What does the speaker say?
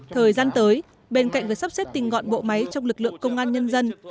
thời gian tới bên cạnh với sắp xếp tình ngọn bộ máy trong lực lượng công an nhân dân